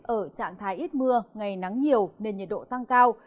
ở trạng thái ít mưa ngày nắng nhiều nên nhiệt độ tăng cao